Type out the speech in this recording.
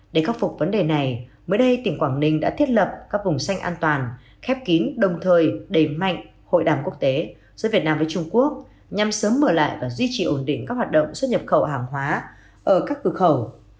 để khắc phục vấn đề này mới đây tỉnh quảng ninh đã thiết lập các vùng xanh an toàn khép kín đồng thời đẩy mạnh hội đàm quốc tế giữa việt nam với trung quốc nhằm sớm mở lại và duy trì ổn định các hoạt động xuất nhập khẩu hàng hóa ở các cửa khẩu